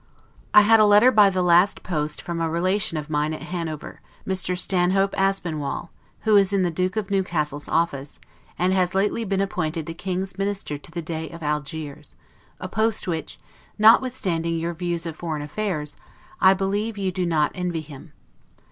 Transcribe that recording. I had a letter by the last post from a relation of mine at Hanover, Mr. Stanhope Aspinwall, who is in the Duke of Newcastle's office, and has lately been appointed the King's Minister to the Dey of Algiers; a post which, notwithstanding your views of foreign affairs, I believe you do not envy him.